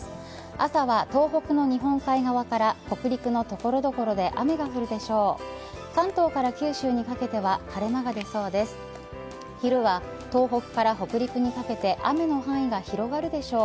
朝は東北の日本海側から北陸の所々で雨が降るでしょう。